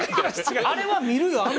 あれは見るよ